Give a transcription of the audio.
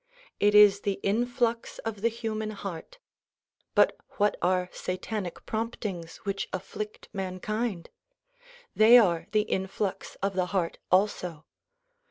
It is the influx of the human heart. But what are Satanic promptings which afflict mankind? They are the influx of the heart also.